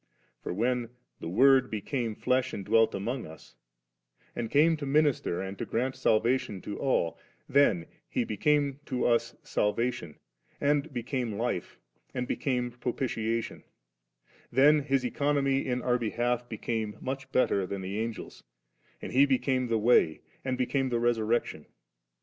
For when 'the Word became flesh and dwelt amon^ us 7' and came to minister and to grant salvation to all, then He became to us sal vation, and became life, and became pro pitiation; then His economy in our behalf became much better than the Angels, and He became the Way and became the Resur rection.